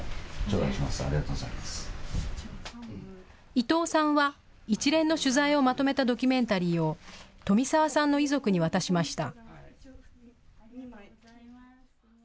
伊藤さんは一連の取材をまとめたドキュメンタリーを富澤さんの遺族に渡しました。